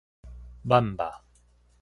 バンパー